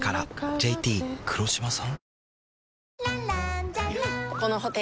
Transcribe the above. ＪＴ黒島さん？